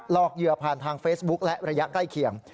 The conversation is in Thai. อกเหยื่อผ่านทางเฟซบุ๊คและระยะใกล้เคียง